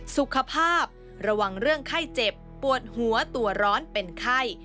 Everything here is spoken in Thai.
สุขภาพระวังเรื่องไข้เจ็บปวดหัวตัวร้อนเป็นไข้